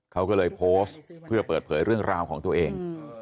เขาก็เลยโพสต์เพื่อเปิดเผยเรื่องราวของตัวเอง